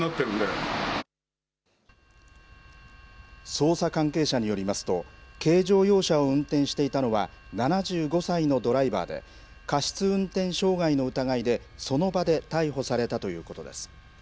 捜査関係者によりますと軽乗用車を運転していたのは７５歳のドライバーで過失運転傷害の疑いでその場で逮捕されたということです。